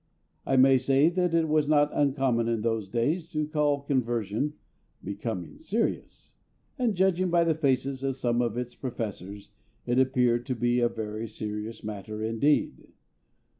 I may say that it was not uncommon in those days to call conversion "becoming serious"; and judging by the faces of some of its professors, it appeared to be a very serious matter indeed.